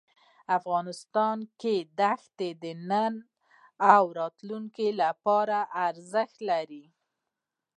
افغانستان کې دښتې د نن او راتلونکي لپاره ارزښت لري.